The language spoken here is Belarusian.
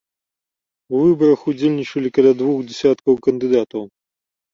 У выбарах удзельнічалі каля двух дзясяткаў кандыдатаў.